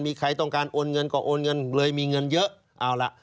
มีใครต้องการโอนเงินก็โอนเงินเลยมีเงินเยอะเอาล่ะ